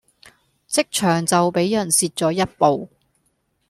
職場就比人蝕左一步